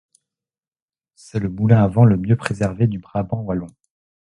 C'est le moulin à vent le mieux préservé du Brabant wallon.